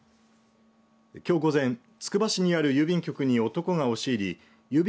きょう午前、つくば市にある郵便局に男が押し入り郵便